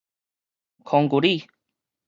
鞏固力